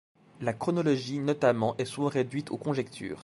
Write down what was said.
La chronologie notamment est souvent réduite aux conjectures.